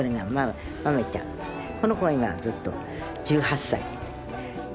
この子は今ずっと１８歳。